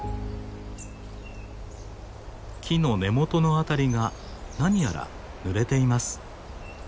木の根元の辺りが何やらぬれています。